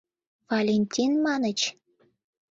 Валентин маньыч?